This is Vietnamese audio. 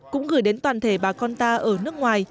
cũng gửi đến toàn thể bà con ta ở nước ngoài